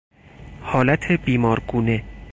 حالت بیمارگونه